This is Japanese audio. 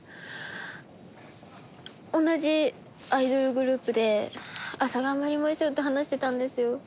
同じアイドルグループで朝頑張りましょうって話してたんですよ。